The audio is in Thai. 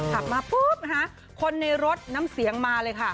ขับมาภูปคนในรถนำเสียงมาเลยค่ะ